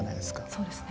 そうですね。